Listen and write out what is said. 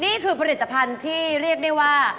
นี่คือผลิตภัณฑ์ที่เรียกได้ว่า